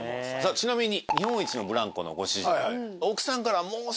ちなみに。